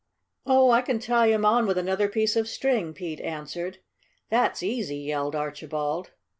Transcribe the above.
"Oh, I can tie him on with another piece of string," Pete answered. "That's easy!" yelled Archibald.